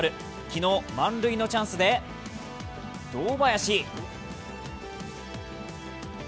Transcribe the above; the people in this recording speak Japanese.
昨日、満塁のチャンスで堂林。